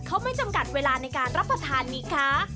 เขาไม่จำกัดเวลาในการรับประทานมีคะ